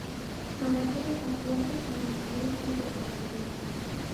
مراتب تسلیت صمیمانهی مرا بپذیرید.